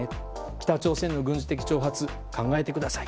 北朝鮮の軍事的挑発考えてください。